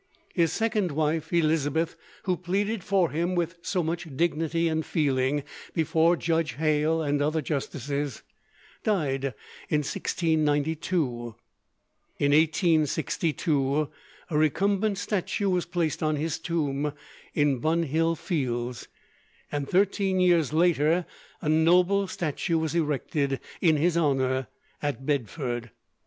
His second wife, Elisabeth, who pleaded for him with so much dignity and feeling before Judge Hale and other justices, died in 1692. In 1661 a recumbent statue was placed on his tomb in Bunhill Fields, and thirteen years later a noble statue was erected in his honor at Bedford.